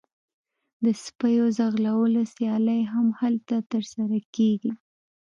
د سپیو ځغلولو سیالۍ هم هلته ترسره کیږي